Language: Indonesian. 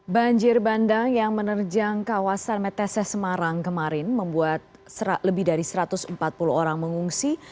banjir bandang yang menerjang kawasan metese semarang kemarin membuat lebih dari satu ratus empat puluh orang mengungsi